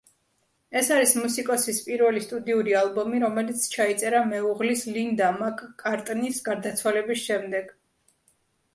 ეს არის მუსიკოსის პირველი სტუდიური ალბომი, რომელიც ჩაიწერა მეუღლის, ლინდა მაკ-კარტნის გარდაცვალების შემდეგ.